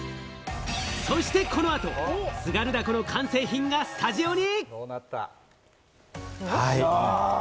そしてこの後、津軽凧の完成品がスタジオに！